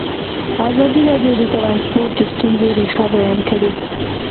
ازادي راډیو د ترانسپورټ د ستونزو رېښه بیان کړې.